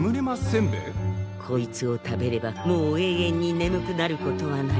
こいつを食べればもう永遠に眠くなることはない。